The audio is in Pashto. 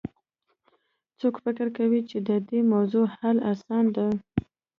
څوک فکر کوي چې د دې موضوع حل اسانه ده